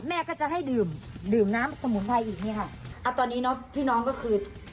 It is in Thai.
แม่ก็จะให้ดื่มดื่มน้ำสมุนไพรอีกเนี่ยค่ะเอาตอนนี้เนอะพี่น้องก็คือ